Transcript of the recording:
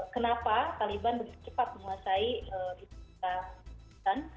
kenapa taliban cepat memuasai kota afganistan